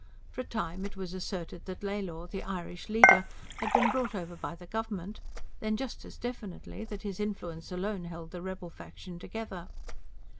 For a time it was asserted that Lalor, the Irish leader, had been bought over by the government; then, just as definitely, that his influence alone held the rebel faction together.